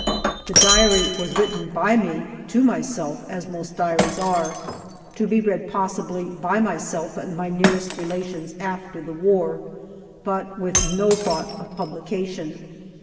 The diary was written by me to myself, as most diaries are, to be read possibly by myself and my nearest relations after the war, but with no thought of publication.